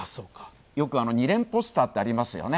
よく２連ポスターってありますよね。